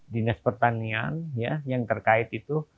dinas pertanian yang terkait itu